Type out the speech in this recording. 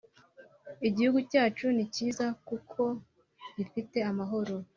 Igihugu cyacu ni kiza kuko gifite amahoro